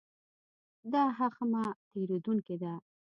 دا هښمه تېرېدونکې ده.